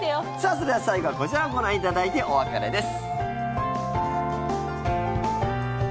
それでは最後はこちらをご覧いただいてお別れです。